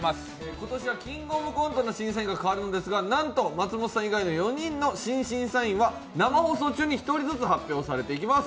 今年は「キングオブコント」の審査員が変わるんですがなんと松本さん以外の４人の新審査員は生放送中に１人ずつ発表されていきます。